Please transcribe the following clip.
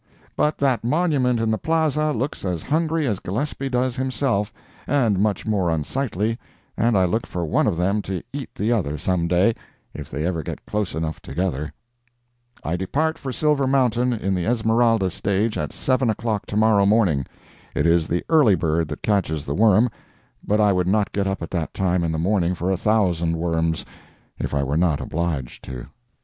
] But that monument in the plaza looks as hungry as Gillespie does himself, and much more unsightly, and I look for one of them to eat the other some day, if they ever get close enough together. I depart for Silver Mountain in the Esmeralda stage at 7 o'clock to morrow morning. It is the early bird that catches the worm, but I would not get up at that time in the morning for a thousand worms, if I were not obliged to.